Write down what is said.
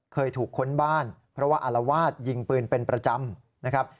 เคยถูกค้นบ้านเพราะว่าอารวาสยิงปืนเป็นประจำนะครับ